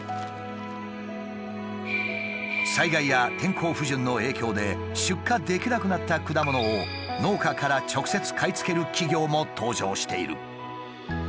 災害や天候不順の影響で出荷できなくなった果物を農家から直接買い付ける企業も登場している。